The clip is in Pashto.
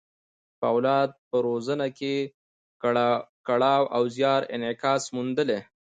په اولاد په روزنه کې یې کړاو او زیار انعکاس موندلی.